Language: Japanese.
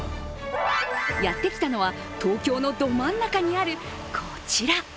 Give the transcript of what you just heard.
やってきたのは、東京のど真ん中にあるこちら。